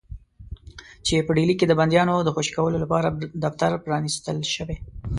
چې په ډهلي کې د بندیانو د خوشي کولو لپاره دفتر پرانیستل شوی.